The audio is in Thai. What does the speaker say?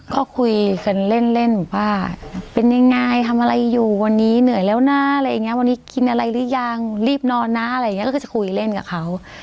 ก็คุยกันเล่นเล่นว่าเป็นยังไงทำอะไรอยู่วันนี้เหนื่อยแล้วนะอะไรอย่างเงี้วันนี้กินอะไรหรือยังรีบนอนนะอะไรอย่างนี้ก็คือจะคุยเล่นกับเขา